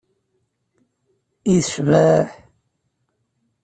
I tecbeḥ!